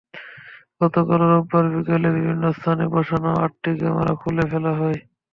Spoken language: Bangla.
গতকাল রোববার বিকেলে বিভিন্ন স্থানে বসানো আটটি ক্যামেরা খুলে ফেলা হয়।